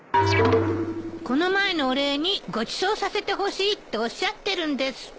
この前のお礼にごちそうさせてほしいっておっしゃってるんですって。